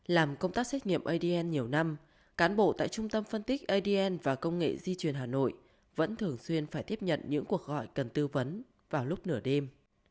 làm công tác xét nghiệm adn nhiều năm cán bộ tại trung tâm phân tích adn và công nghệ di truyền hà nội vẫn thường xuyên phải tiếp nhận những cuộc gọi cần tư vấn vào lúc nửa đêm